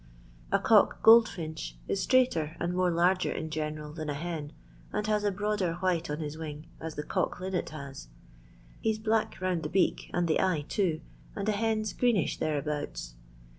A cock goldfinch is straighter and more Uiga in general than a hen, and has a broader white oo his wing, as the cock linnet has ; he 's bhiekJroDnd the beak and the eye too, and a hen 'i greenish thereabouts.